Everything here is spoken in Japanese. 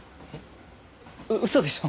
う嘘でしょ？